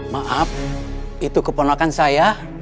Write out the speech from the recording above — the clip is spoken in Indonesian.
maaf itu keponokan saya